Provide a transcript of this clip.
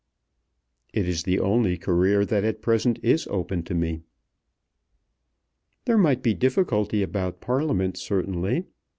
"It is the only career that at present is open to me." "There might be difficulty about Parliament certainly.